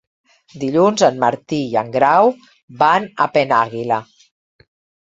Dilluns en Martí i en Grau van a Penàguila.